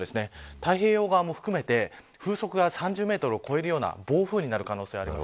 太平洋側も含めて風速が３０メートルを超えるような暴風になる可能性があります。